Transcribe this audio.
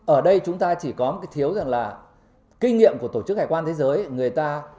ở đây chúng ta chỉ có một thiếu kinh nghiệm của tổ chức hải quan thế giới